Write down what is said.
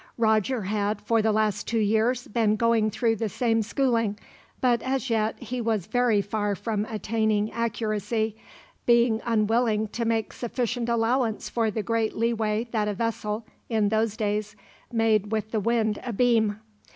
Roger had, for the last two years, been going through the same schooling; but as yet he was very far from attaining accuracy, being unwilling to make sufficient allowance for the great leeway that a vessel, in those days, made with the wind abeam.